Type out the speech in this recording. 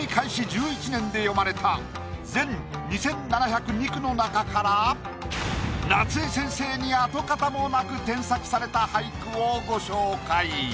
１１年で詠まれた全２７０２句の中から夏井先生に跡形もなく添削された俳句をご紹介。